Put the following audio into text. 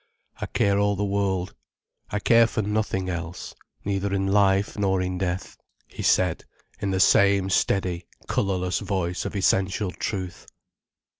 "I care all the world—I care for nothing else—neither in life nor in death," he said, in the same steady, colourless voice of essential truth.